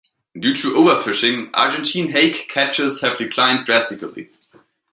Due to over-fishing, Argentine hake catches have declined drastically.